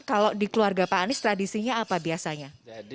kalau di keluarga pak anies tradisinya apa biasanya